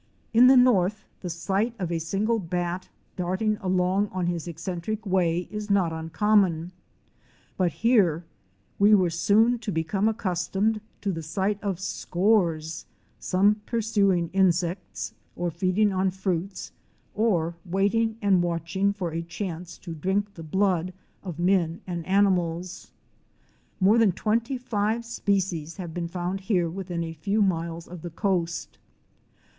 In the north the sight of a single bat darting along on its eccentric way is not uncommon, but here we were soon to become accustomed to the sight of scores, some pursuing insects, or feeding on fruits, or waiting and watching for a chance to drink the blood of men and animals. More than twenty five species have been found here within a few miles of the coast.